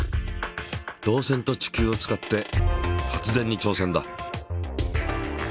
導線と地球を使って発電に挑戦だ。